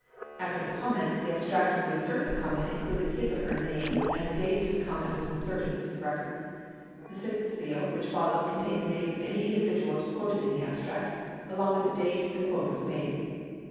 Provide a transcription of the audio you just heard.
After the comment, the abstractor who inserted the comment included his/her name and the date the comment was inserted into the record. The sixth field which followed contained the names of any individuals quoted in the abstract, along with the date the quote was made.